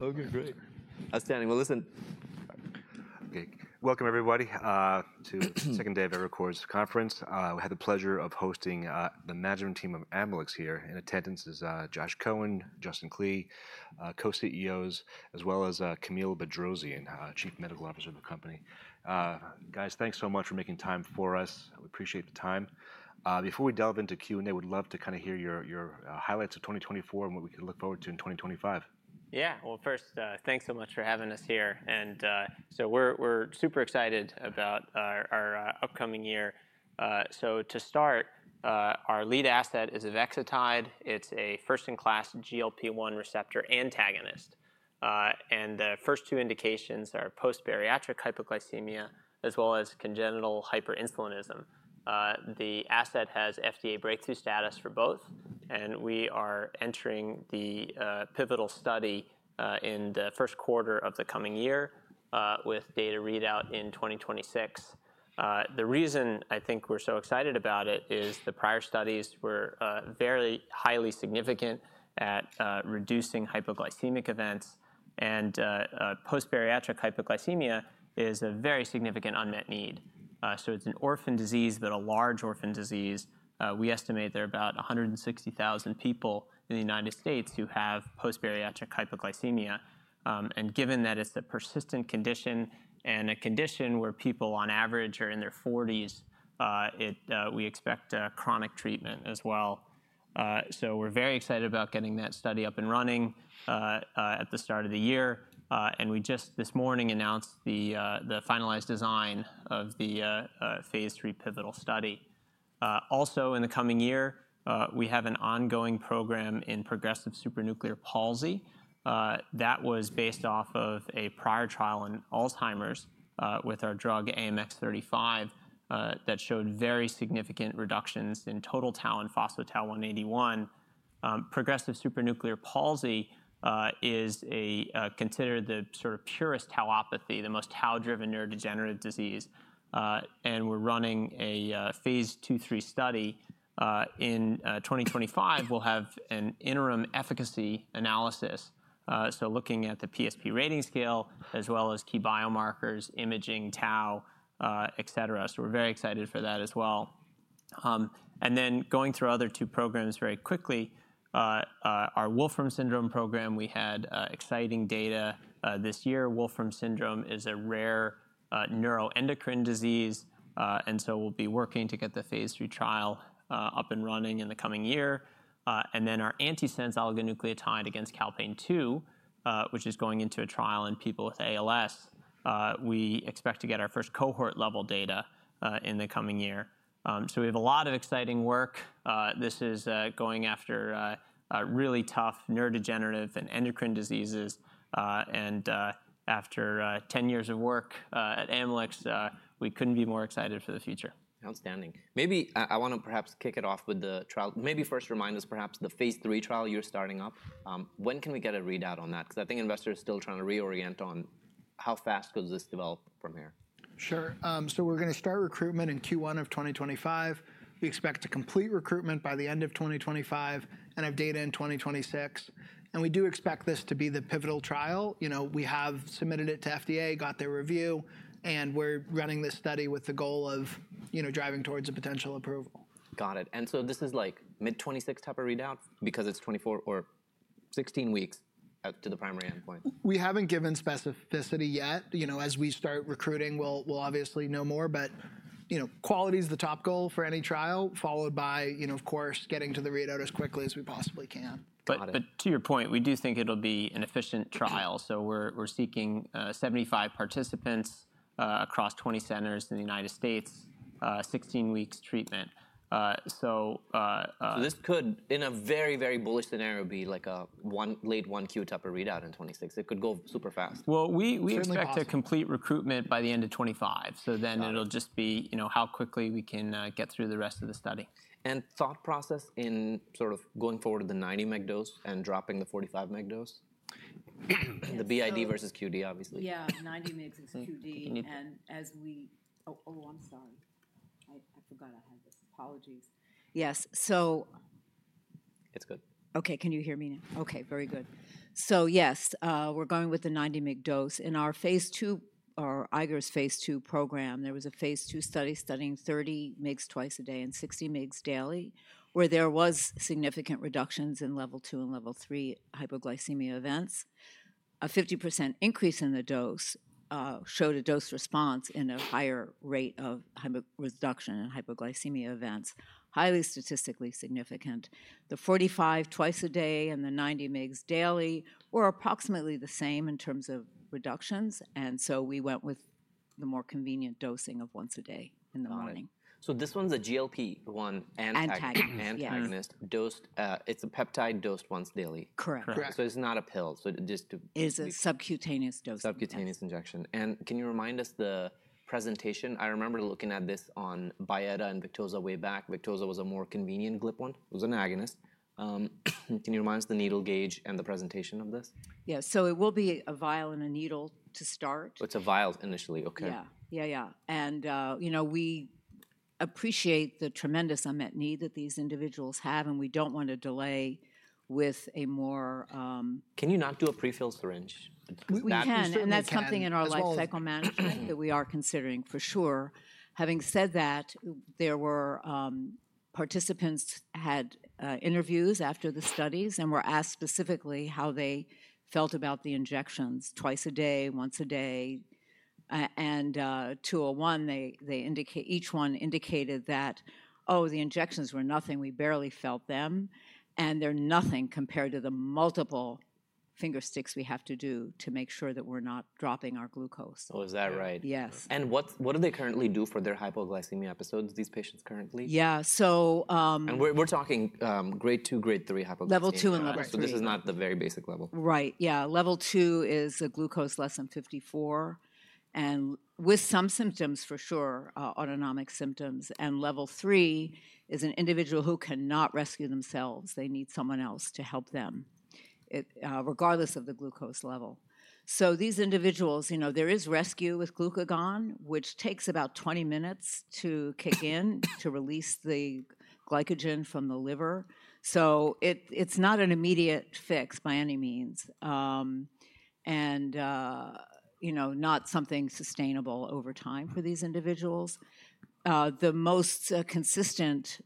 Okay, great. Outstanding. Well, listen. Okay. Welcome, everybody, to second day of Evercore ISI Conference. We have the pleasure of hosting the management team of Amylyx here. In attendance is Josh Cohen, Justin Klee, co-CEOs, as well as Camille Bedrosian, Chief Medical Officer of the company. Guys, thanks so much for making time for us. We appreciate the time. Before we delve into Q&A, we'd love to kind of hear your highlights of 2024 and what we can look forward to in 2025. Yeah. Well, first, thanks so much for having us here. And so we're super excited about our upcoming year. So to start, our lead asset is avexitide. It's a first-in-class GLP-1 receptor antagonist. And the first two indications are post-bariatric hypoglycemia, as well as congenital hyperinsulinism. The asset has FDA breakthrough status for both. And we are entering the pivotal study in the first quarter of the coming year, with data readout in 2026. The reason I think we're so excited about it is the prior studies were very highly significant at reducing hypoglycemic events. And post-bariatric hypoglycemia is a very significant unmet need. So it's an orphan disease, but a large orphan disease. We estimate there are about 160,000 people in the United States who have post-bariatric hypoglycemia. Given that it's a persistent condition and a condition where people, on average, are in their 40s, we expect chronic treatment as well. We're very excited about getting that study up and running at the start of the year. We just this morning announced the finalized design of the phase three pivotal study. Also, in the coming year, we have an ongoing program in progressive supranuclear palsy. That was based off of a prior trial in Alzheimer's with our drug AMX0035 that showed very significant reductions in total tau and phospho-tau181. Progressive supranuclear palsy is considered the sort of purest tauopathy, the most tau-driven neurodegenerative disease. We're running a phase two-three study. In 2025, we'll have an interim efficacy analysis. Looking at the PSP rating scale, as well as key biomarkers, imaging, tau, et cetera. We're very excited for that as well. And then going through other two programs very quickly, our Wolfram syndrome program, we had exciting data this year. Wolfram syndrome is a rare neuroendocrine disease. And so we'll be working to get the phase three trial up and running in the coming year. And then our antisense oligonucleotide against calpain-2, which is going into a trial in people with ALS, we expect to get our first cohort-level data in the coming year. So we have a lot of exciting work. This is going after really tough neurodegenerative and endocrine diseases. And after 10 years of work at Amylyx, we couldn't be more excited for the future. Outstanding. Maybe I want to perhaps kick it off with the trial. Maybe first remind us, perhaps the phase 3 trial you're starting up, when can we get a readout on that? Because I think investors are still trying to reorient on how fast could this develop from here. Sure, so we're going to start recruitment in Q1 of 2025. We expect to complete recruitment by the end of 2025 and have data in 2026, and we do expect this to be the pivotal trial. We have submitted it to FDA, got their review, and we're running this study with the goal of driving towards a potential approval. Got it. And so this is like mid-2026 type of readout because it's 24 or 16 weeks out to the primary endpoint? We haven't given specificity yet. As we start recruiting, we'll obviously know more. But quality is the top goal for any trial, followed by, of course, getting to the readout as quickly as we possibly can. But to your point, we do think it'll be an efficient trial. So we're seeking 75 participants across 20 centers in the United States, 16 weeks treatment. So. So this could, in a very, very bullish scenario, be like a late Q1 type of readout in 2026. It could go super fast. Well, we expect to complete recruitment by the end of 2025. So then it'll just be how quickly we can get through the rest of the study. Thought process in sort of going forward to the 90 mcg dose and dropping the 45 mcg dose? The BID versus QD, obviously. Yeah, 90 mcg is QD. And as we, oh, I'm sorry. I forgot I had this. Apologies. Yes. So. It's good. Okay. Can you hear me now? Okay. Very good. So yes, we're going with the 90 mcg dose. In our phase 2, or Eiger's phase 2 program, there was a phase 2 study studying 30 mcg twice a day and 60 mcg daily, where there were significant reductions in Level 2 and Level 3 hypoglycemia events. A 50% increase in the dose showed a dose response in a higher rate of reduction in hypoglycemia events, highly statistically significant. The 45 twice a day and the 90 mcg daily were approximately the same in terms of reductions. And so we went with the more convenient dosing of once a day in the morning. This one's a GLP-1 antagonist. Antagonist. it's a peptide dosed once daily. Correct. It's not a pill. It is a subcutaneous dose. Subcutaneous injection. And can you remind us the presentation? I remember looking at this on Byetta and Victoza way back. Victoza was a more convenient GLP-1. It was an agonist. Can you remind us the needle gauge and the presentation of this? Yeah, so it will be a vial and a needle to start. It's a vial initially. Okay. Yeah. Yeah, yeah. And we appreciate the tremendous unmet need that these individuals have, and we don't want to delay with a more. Can you not do a pre-filled syringe? We can. And that's something in our life cycle management that we are considering for sure. Having said that, there were participants who had interviews after the studies and were asked specifically how they felt about the injections: twice a day, once a day. And 201, each one indicated that, "Oh, the injections were nothing. We barely felt them." And they're nothing compared to the multiple finger sticks we have to do to make sure that we're not dropping our glucose. Oh, is that right? Yes. What do they currently do for their hypoglycemia episodes? These patients currently? Yeah. So. We're talking grade 2, grade 3 hypoglycemia. Level two and Level 3. This is not the very basic level. Right. Yeah. Level two is a glucose less than 54 and with some symptoms for sure, autonomic symptoms. And Level 3 is an individual who cannot rescue themselves. They need someone else to help them, regardless of the glucose level. So these individuals, there is rescue with glucagon, which takes about 20 minutes to kick in to release the glycogen from the liver. So it's not an immediate fix by any means and not something sustainable over time for these individuals. The most consistent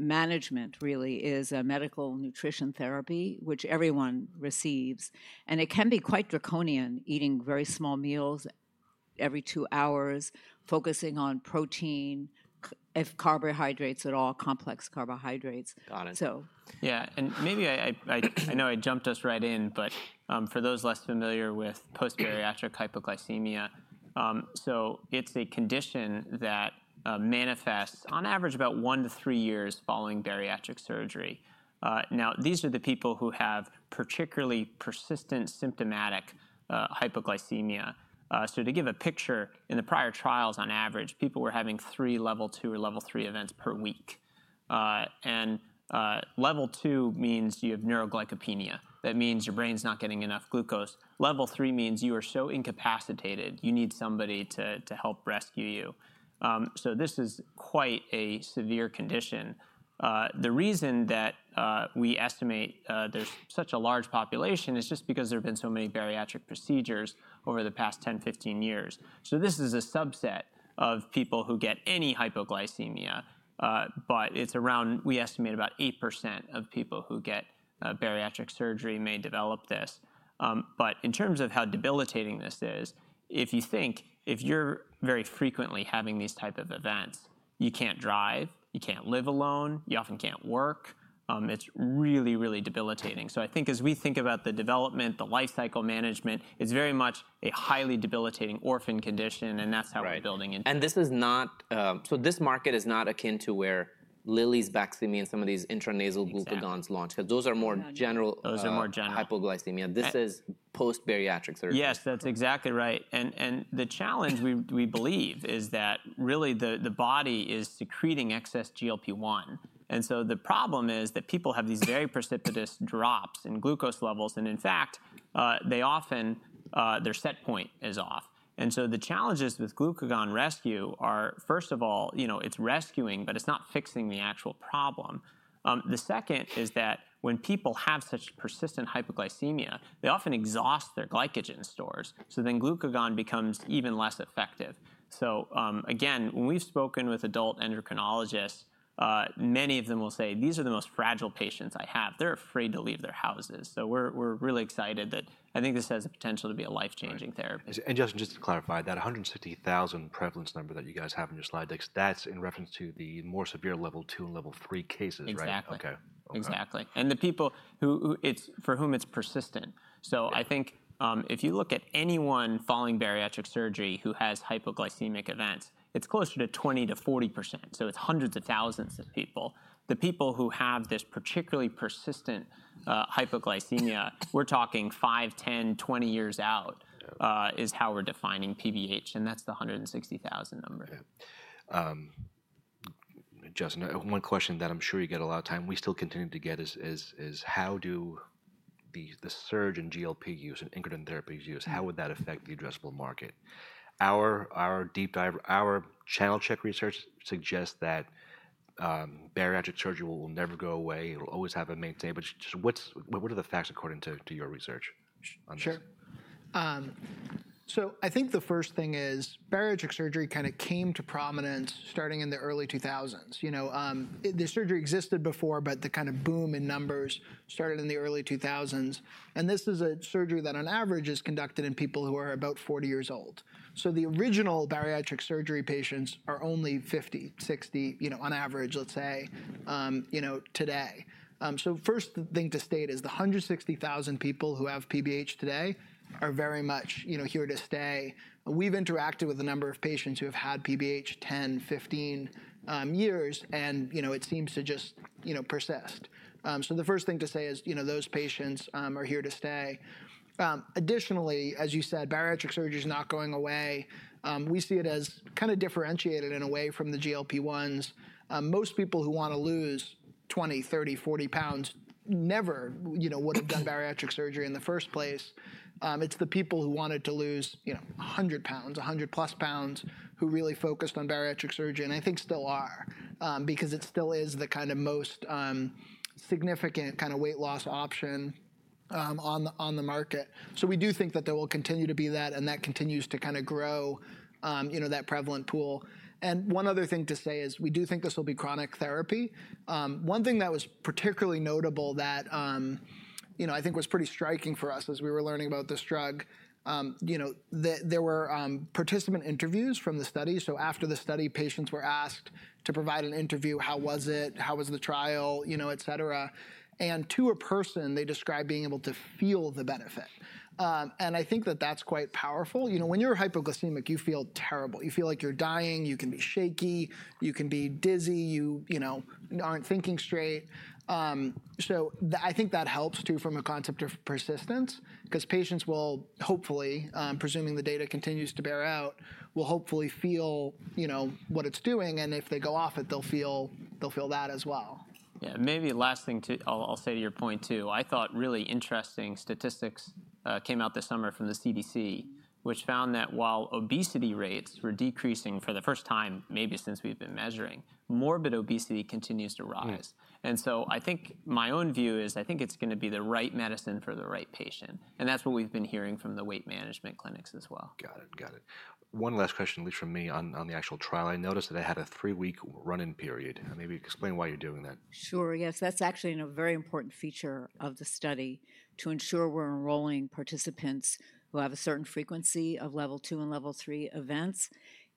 management really is medical nutrition therapy, which everyone receives. And it can be quite draconian, eating very small meals every two hours, focusing on protein, carbohydrates at all, complex carbohydrates. Got it. So. Yeah, and maybe I know I jumped us right in, but for those less familiar with post-bariatric hypoglycemia, so it's a condition that manifests on average about one to three years following bariatric surgery. Now, these are the people who have particularly persistent symptomatic hypoglycemia, so to give a picture, in the prior trials, on average, people were having three Level 2 or Level 3 events per week, and Level 2 means you have neuroglycopenia. That means your brain's not getting enough glucose. Level three means you are so incapacitated, you need somebody to help rescue you, so this is quite a severe condition. The reason that we estimate there's such a large population is just because there have been so many bariatric procedures over the past 10-15 years, so this is a subset of people who get any hypoglycemia. But it's around. We estimate about 8% of people who get bariatric surgery may develop this. But in terms of how debilitating this is, if you think, if you're very frequently having these type of events, you can't drive, you can't live alone, you often can't work, it's really, really debilitating. So I think as we think about the development, the life cycle management, it's very much a highly debilitating orphan condition, and that's how we're building. And this is not, so this market is not akin to where Lilly's Baqsimi and some of these intranasal glucagons launch because those are more general hypoglycemia. This is post-bariatric surgery. Yes, that's exactly right. And the challenge, we believe, is that really the body is secreting excess GLP-1. And so the problem is that people have these very precipitous drops in glucose levels. And in fact, they often, their set point is off. And so the challenges with glucagon rescue are, first of all, it's rescuing, but it's not fixing the actual problem. The second is that when people have such persistent hypoglycemia, they often exhaust their glycogen stores. So then glucagon becomes even less effective. So again, when we've spoken with adult endocrinologists, many of them will say, "These are the most fragile patients I have. They're afraid to leave their houses." So we're really excited that I think this has the potential to be a life-changing therapy. Justin, just to clarify that 160,000 prevalence number that you guys have in your slide decks, that's in reference to the more severe Level 2 and Level 3 cases, right? Exactly. Okay. Exactly. And the people for whom it's persistent. So I think if you look at anyone following bariatric surgery who has hypoglycemic events, it's closer to 20%-40%. So it's hundreds of thousands of people. The people who have this particularly persistent hypoglycemia, we're talking five, 10, 20 years out is how we're defining PBH. And that's the 160,000 number. Justin, one question that I'm sure you get a lot of the time, we still continue to get, is how do the surge in GLP use and incremental therapies use, how would that affect the addressable market? Our channel check research suggests that bariatric surgery will never go away. It'll always have a maintenance. But what are the facts according to your research on this? Sure. So I think the first thing is bariatric surgery kind of came to prominence starting in the early 2000s. The surgery existed before, but the kind of boom in numbers started in the early 2000s. This is a surgery that on average is conducted in people who are about 40 years old. So the original bariatric surgery patients are only 50-60 on average, let's say, today. So first thing to state is the 160,000 people who have PBH today are very much here to stay. We've interacted with a number of patients who have had PBH 10-15 years, and it seems to just persist. So the first thing to say is those patients are here to stay. Additionally, as you said, bariatric surgery is not going away. We see it as kind of differentiated in a way from the GLP-1s. Most people who want to lose 20, 30, 40 pounds never would have done bariatric surgery in the first place. It's the people who wanted to lose 100 pounds, 100+ pounds, who really focused on bariatric surgery and I think still are because it still is the kind of most significant kind of weight loss option on the market. So we do think that there will continue to be that, and that continues to kind of grow that prevalent pool. And one other thing to say is we do think this will be chronic therapy. One thing that was particularly notable that I think was pretty striking for us as we were learning about this drug, there were participant interviews from the study. So after the study, patients were asked to provide an interview, how was it, how was the trial, et cetera. To a person, they described being able to feel the benefit. I think that that's quite powerful. When you're hypoglycemic, you feel terrible. You feel like you're dying. You can be shaky. You can be dizzy. You aren't thinking straight. I think that helps too from a concept of persistence because patients will hopefully, presuming the data continues to bear out, will hopefully feel what it's doing. If they go off it, they'll feel that as well. Yeah. Maybe the last thing too, I'll say to your point too. I thought really interesting statistics came out this summer from the CDC, which found that while obesity rates were decreasing for the first time, maybe since we've been measuring, morbid obesity continues to rise. And so I think my own view is I think it's going to be the right medicine for the right patient. And that's what we've been hearing from the weight management clinics as well. Got it. Got it. One last question, at least from me on the actual trial. I noticed that I had a three-week run-in period. Maybe explain why you're doing that. Sure. Yes. That's actually a very important feature of the study to ensure we're enrolling participants who have a certain frequency of Level 2 and Level 3 events.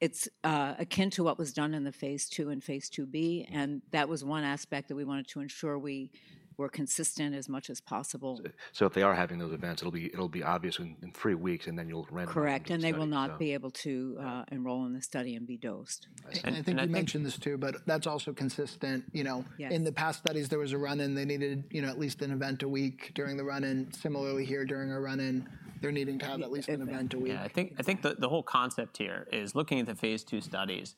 It's akin to what was done in the phase 2 and phase 2b, and that was one aspect that we wanted to ensure we were consistent as much as possible. So if they are having those events, it'll be obvious in three weeks, and then you'll render them. Correct, and they will not be able to enroll in the study and be dosed. And I think you mentioned this too, but that's also consistent. In the past studies, there was a run-in. They needed at least an event a week during the run-in. Similarly here, during a run-in, they're needing to have at least an event a week. I think the whole concept here is looking at the phase 2 studies,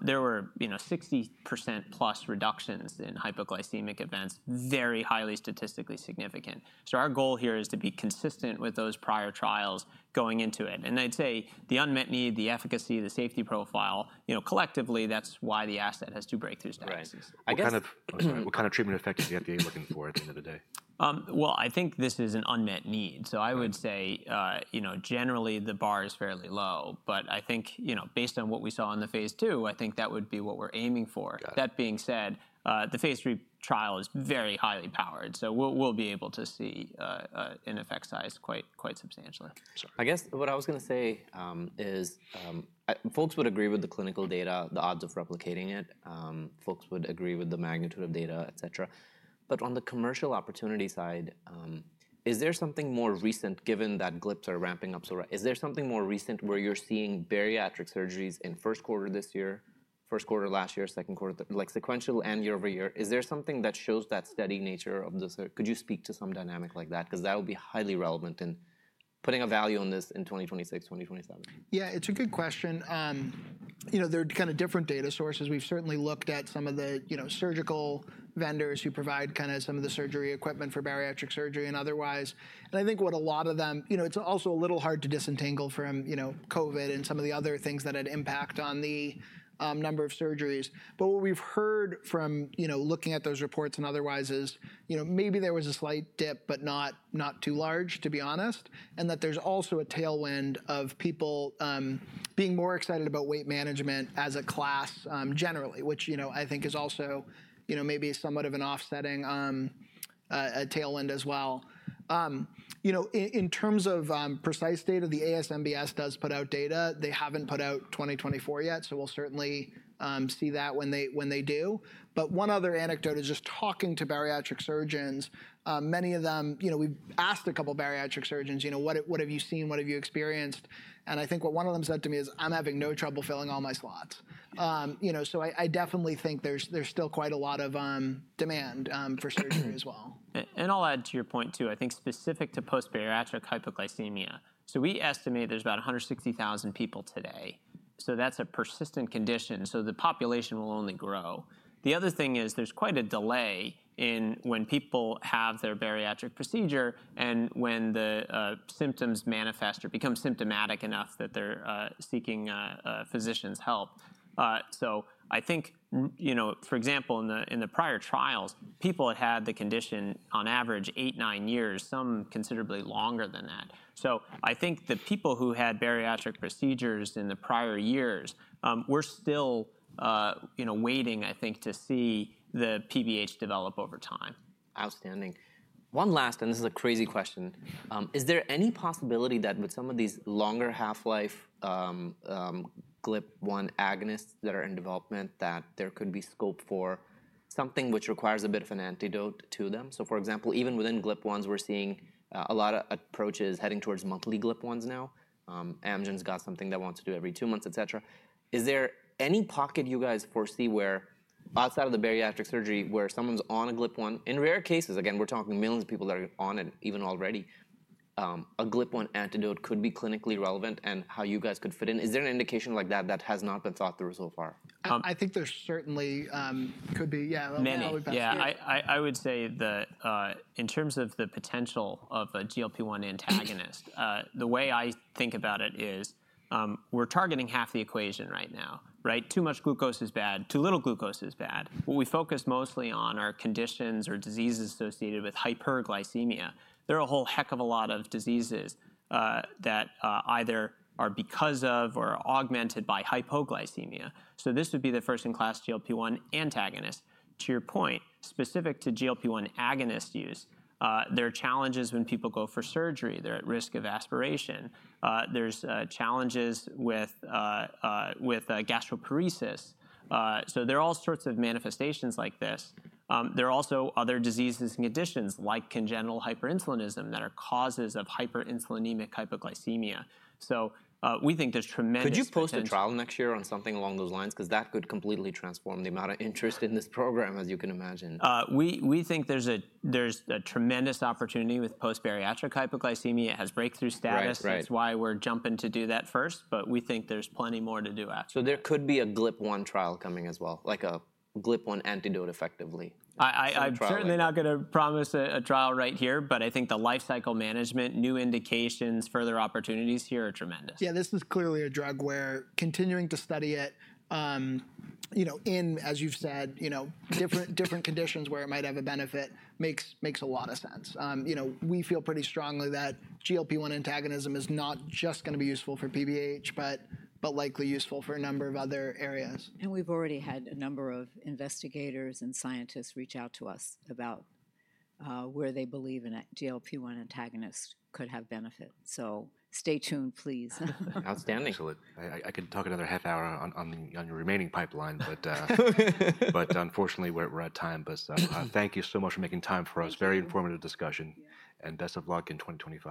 there were 60%+ reductions in hypoglycemic events, very highly statistically significant. So our goal here is to be consistent with those prior trials going into it. And I'd say the unmet need, the efficacy, the safety profile, collectively, that's why the asset has two breakthrough statuses. What kind of treatment effect is the FDA looking for at the end of the day? I think this is an unmet need. So I would say generally the bar is fairly low. But I think based on what we saw in the phase two, I think that would be what we're aiming for. That being said, the phase three trial is very highly powered. So we'll be able to see an effect size quite substantially. I guess what I was going to say is folks would agree with the clinical data, the odds of replicating it. Folks would agree with the magnitude of data, et cetera. But on the commercial opportunity side, is there something more recent given that GLPs are ramping up so right? Is there something more recent where you're seeing bariatric surgeries in first quarter this year, first quarter last year, second quarter, like sequential and year over year? Is there something that shows that steady nature of the. Could you speak to some dynamic like that? Because that would be highly relevant in putting a value on this in 2026, 2027. Yeah, it's a good question. There are kind of different data sources. We've certainly looked at some of the surgical vendors who provide kind of some of the surgery equipment for bariatric surgery and otherwise, and I think what a lot of them, it's also a little hard to disentangle from COVID and some of the other things that had impact on the number of surgeries, but what we've heard from looking at those reports and otherwise is maybe there was a slight dip, but not too large, to be honest, and that there's also a tailwind of people being more excited about weight management as a class generally, which I think is also maybe somewhat of an offsetting tailwind as well. In terms of precise data, the ASMBS does put out data. They haven't put out 2024 yet, so we'll certainly see that when they do. But one other anecdote is just talking to bariatric surgeons. Many of them, we've asked a couple of bariatric surgeons, "What have you seen? What have you experienced?" And I think what one of them said to me is, "I'm having no trouble filling all my slots." So I definitely think there's still quite a lot of demand for surgery as well. I'll add to your point too. I think specific to post-bariatric hypoglycemia. We estimate there's about 160,000 people today. That's a persistent condition. The population will only grow. The other thing is there's quite a delay in when people have their bariatric procedure and when the symptoms manifest or become symptomatic enough that they're seeking physician's help. I think, for example, in the prior trials, people had had the condition on average eight, nine years, some considerably longer than that. I think the people who had bariatric procedures in the prior years were still waiting, I think, to see the PBH develop over time. Outstanding. One last, and this is a crazy question. Is there any possibility that with some of these longer half-life GLP-1 agonists that are in development that there could be scope for something which requires a bit of an antidote to them? So for example, even within GLP-1s, we're seeing a lot of approaches heading towards monthly GLP-1s now. Amgen's got something that wants to do every two months, et cetera. Is there any pocket you guys foresee where outside of the bariatric surgery where someone's on a GLP-1? In rare cases, again, we're talking millions of people that are on it even already, a GLP-1 antidote could be clinically relevant and how you guys could fit in. Is there an indication like that that has not been thought through so far? I think there certainly could be. Yeah. Many. Yeah. I would say that in terms of the potential of a GLP-1 antagonist, the way I think about it is we're targeting half the equation right now, right? Too much glucose is bad. Too little glucose is bad. What we focus mostly on are conditions or diseases associated with hyperglycemia. There are a whole heck of a lot of diseases that either are because of or are augmented by hypoglycemia. So this would be the first-in-class GLP-1 antagonist. To your point, specific to GLP-1 agonist use, there are challenges when people go for surgery. They're at risk of aspiration. There's challenges with gastroparesis. So there are all sorts of manifestations like this. There are also other diseases and conditions like congenital hyperinsulinism that are causes of hyperinsulinemic hypoglycemia. So we think there's tremendous potential. Could you post a trial next year on something along those lines? Because that could completely transform the amount of interest in this program, as you can imagine. We think there's a tremendous opportunity with post-bariatric hypoglycemia. It has breakthrough status. That's why we're jumping to do that first. But we think there's plenty more to do after. There could be a GLP-1 trial coming as well, like a GLP-1 antidote effectively. I'm certainly not going to promise a trial right here, but I think the lifecycle management, new indications, further opportunities here are tremendous. Yeah, this is clearly a drug where continuing to study it in, as you've said, different conditions where it might have a benefit makes a lot of sense. We feel pretty strongly that GLP-1 antagonism is not just going to be useful for PBH, but likely useful for a number of other areas. We've already had a number of investigators and scientists reach out to us about where they believe a GLP-1 antagonist could have benefit. Stay tuned, please. Outstanding. I could talk another half hour on your remaining pipeline, but unfortunately, we're at time. But thank you so much for making time for us. Very informative discussion. And best of luck in 2024.